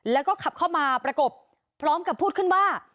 แล้วก็ขับเข้ามาประกบพร้อมกับพูดขึ้นว่า